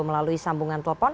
melalui sambungan telepon